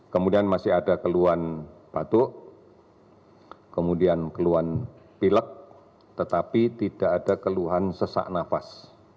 kemudian masih ada keluhan batuk kemudian keluhan pilek tetapi tidak ada keluhan sesak nafas